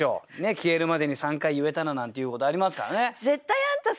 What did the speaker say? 消えるまでに３回言えたらなんていうことありますからね。